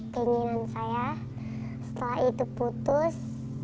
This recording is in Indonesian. keinginan saya setelah itu putus